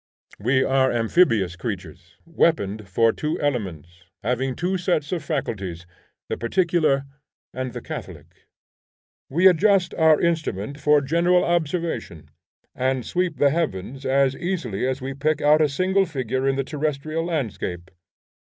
We are amphibious creatures, weaponed for two elements, having two sets of faculties, the particular and the catholic. We adjust our instrument for general observation, and sweep the heavens as easily as we pick out a single figure in the terrestrial landscape.